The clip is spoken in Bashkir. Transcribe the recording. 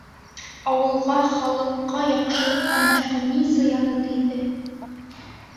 Ауылға, халыҡҡа яҡшылыҡтан башҡа ни зыяны тейҙе?